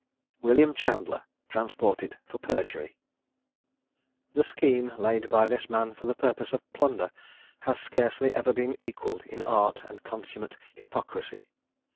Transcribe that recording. WILLIAM CHANDLER. TRANSPORTED FOR PERJURY. The scheme laid by this man for the purpose of plunder has scarcely ever been equalled in art and consummate hypocrisy.